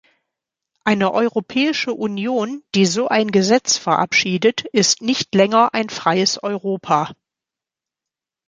Eine Europäische Union, die so ein Gesetz verabschiedet, ist nicht länger ein freies Europa.